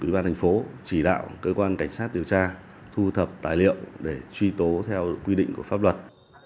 ủy ban thành phố chỉ đạo cơ quan cảnh sát điều tra thu thập tài liệu để truy tố theo quy định của pháp luật